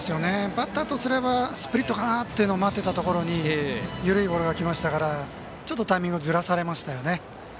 バッターとすればスプリットかなというものを待ってたところに緩いボールがきましたからちょっとタイミングずらされましたよね。